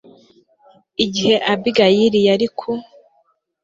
igihe abigayili yari ku